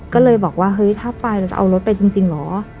ก็เลยบอกว่าเฮ้ยถ้าไปแล้วจะเอารถไปจริงเหรอ